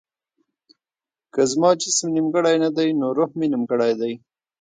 که زما جسم نيمګړی نه دی نو روح مې نيمګړی دی.